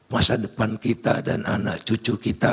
masa depan kita dan anak cucu kita